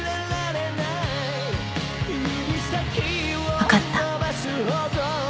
分かった。